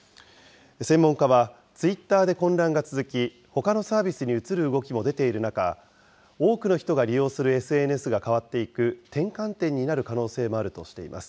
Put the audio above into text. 専門家は、ツイッターで混乱が続き、ほかのサービスに移る動きも出ている中、多くの人が利用するＳＮＳが変わっていく転換点になる可能性もあるとしています。